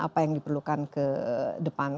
apa yang diperlukan ke depan